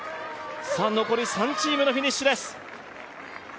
残り３チームのフィニッシュです。